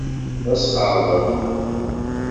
D asxeṛweḍ.